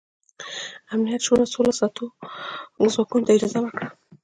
امنیت شورا سوله ساتو ځواکونو ته اجازه ورکړه.